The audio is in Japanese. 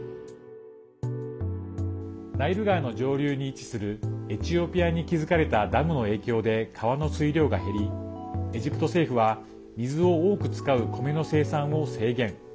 ナイル川の上流に位置するエチオピアに築かれたダムの影響で川の水量が減りエジプト政府は水を多く使う米の生産を制限。